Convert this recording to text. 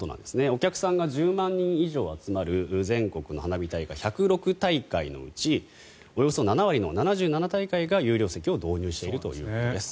お客さんが１０万人以上集まる全国の花火大会１０６大会のうちおよそ７割の７７大会が有料席を導入しているということです。